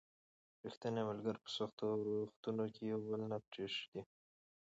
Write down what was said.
ریښتیني ملګري په سختو وختونو کې یو بل نه پرېږدي